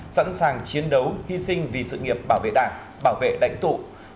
sẵn sàng chiến đấu hy sinh vì sự nghiệp bảo vệ đảng bảo vệ đánh tụ